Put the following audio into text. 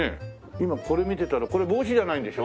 今これ見てたらこれ帽子じゃないんでしょ？